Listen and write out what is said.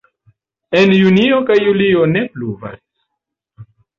En junio kaj julio ne pluvas.